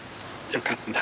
よかった。